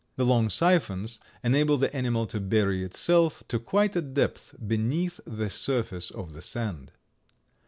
The long siphons enable the animal to bury itself to quite a depth beneath the surface of the sand.